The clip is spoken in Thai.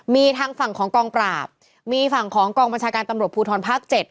มีทางฝั่งของกองปราบมีฝั่งของนชาการตำรวจภูฒนภักดิ์๗